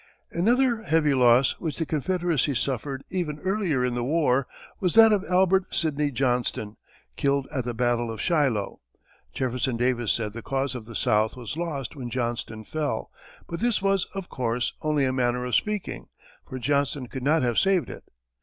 Another heavy loss which the Confederacy suffered even earlier in the war was that of Albert Sidney Johnston, killed at the battle of Shiloh. Jefferson Davis said the cause of the South was lost when Johnston fell, but this was, of course, only a manner of speaking, for Johnston could not have saved it.